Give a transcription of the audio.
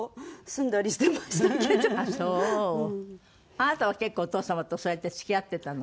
あなたは結構お父様とそうやって付き合ってたの？